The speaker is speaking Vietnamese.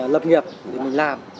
lập nghiệp thì mình làm